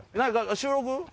収録？